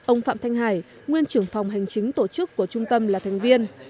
ông phạm thanh hải nguyên trưởng phòng hành chính tổ chức của trung tâm là thành viên